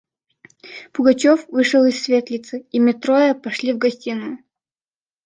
Пугачев вышел из светлицы, и мы трое сошли в гостиную.